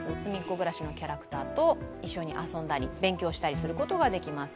ぐらしのキャラクターと一緒に遊んだり勉強したりすることができます。